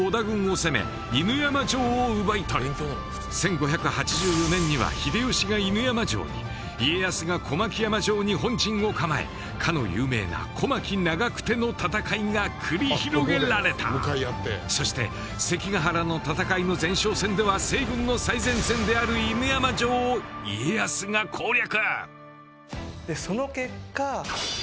１５８４年には秀吉が犬山城に家康が小牧山城に本陣を構えかの有名な小牧・長久手の戦いが繰り広げられたそして関ヶ原の戦いの前哨戦では西軍の最前線である犬山城を家康が攻略でその結果家康はですね